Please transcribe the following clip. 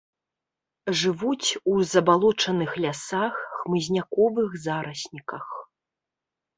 Жывуць у забалочаных лясах, хмызняковых зарасніках.